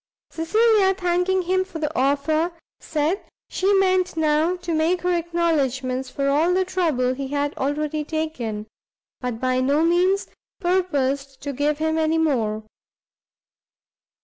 Cecilia, thanking him for the offer, said she meant now to make her acknowledgments for all the trouble he had already taken, but by no means purposed to give him any more.